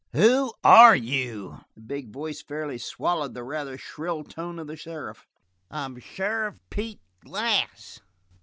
"Who are you?" The big voice fairly swallowed the rather shrill tone of the sheriff. "I'm sheriff Pete Glass."